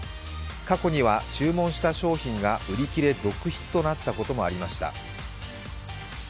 過去には注文した商品が売り切れ続出となったこともありました。